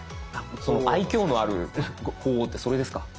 その愛きょうのある鳳凰ってそれですか？